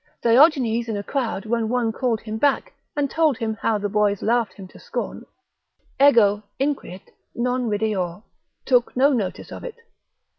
Diogenes in a crowd when one called him back, and told him how the boys laughed him to scorn, Ego, inquit, non rideor, took no notice of it.